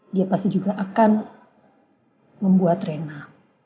dia pasti juga akan membuat rena